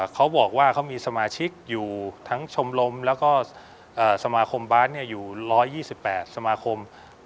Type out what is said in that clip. เขาบอกว่าเขามีสมาชิกอยู่ทั้งชมรมแล้วก็สมาคมบาสอยู่๑๒๘สมาคม